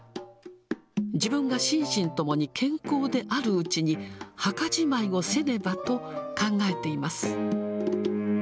自分が心身ともに健康であるうちに墓じまいをせねばと考えています。